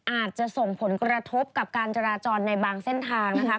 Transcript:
อาจจะส่งผลกระทบกับการจราจรในบางเส้นทางนะคะ